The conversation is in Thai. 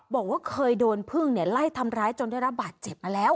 บอกว่าเคยโดนพึ่งไล่ทำร้ายจนได้รับบาดเจ็บมาแล้ว